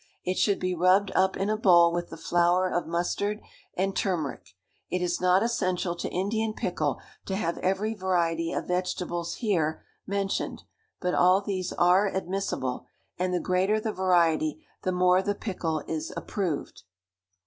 It should be rubbed up in a bowl with the flour of mustard and turmeric. It is not essential to Indian pickle to have every variety of vegetable here mentioned; but all these are admissible, and the greater the variety the more the pickle is approved.